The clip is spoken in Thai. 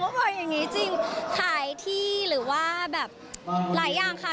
พออย่างนี้จริงขายที่หรือว่าแบบหลายอย่างค่ะ